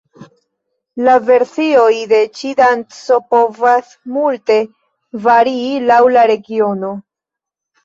La versioj de ĉi danco povas multe varii laŭ la regiono.